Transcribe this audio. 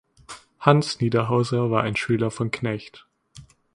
Hans Niederhauser war ein Schüler von Knecht.